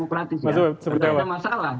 sebenarnya ada masalah